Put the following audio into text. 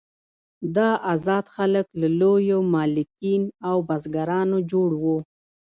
دا آزاد خلک له لویو مالکین او بزګرانو جوړ وو.